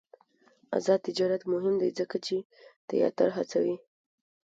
آزاد تجارت مهم دی ځکه چې تیاتر هڅوي.